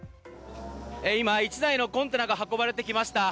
今、１台のコンテナが運ばれてきました。